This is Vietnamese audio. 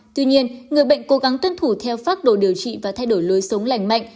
tuy nhiên người bệnh cố gắng tuân thủ theo pháp đồ điều trị và thay đổi lối sống lành mạnh